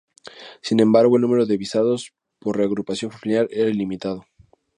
Sin embargo, el número de visados por reagrupación familiar era ilimitado.